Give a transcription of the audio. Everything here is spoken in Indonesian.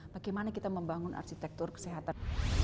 bagaimana kita membangun arsitektur kesehatan